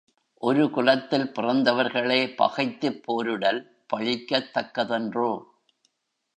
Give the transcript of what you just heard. ஒரு குலத்தில் பிறந்தவர்களே பகைத்துப் போரிடல் பழிக்கத் தக்கதன்றோ?